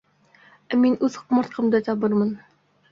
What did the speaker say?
Ә мин үҙ ҡомартҡымды табырмын!